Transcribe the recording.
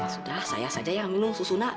sudahlah saya saja yang minum susu naon